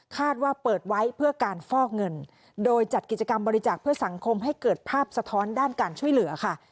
ว่าเปิดไว้เพื่อการฟอกเงินโดยจัดกิจกรรมบริจาคเพื่อสังคมให้เกิดภาพสะท้อนด้านการช่วยเหลือค่ะ